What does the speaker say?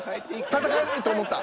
戦えないと思った。